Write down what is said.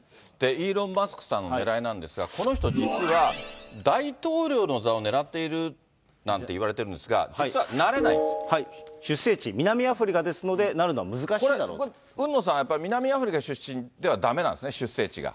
イーロン・マスクさんのねらいなんですが、この人、実は、大統領の座をねらっているなんていわれているんですが、実はなれ出生地、南アフリカですので、これは海野さん、南アフリカ出身ではだめなんですね、出生地が。